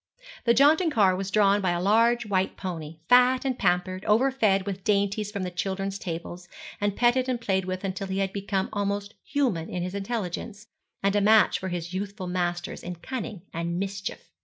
The jaunting car was drawn by a large white pony, fat and pampered, overfed with dainties from the children's tables, and petted and played with until he had become almost human in his intelligence, and a match for his youthful masters in cunning and mischief.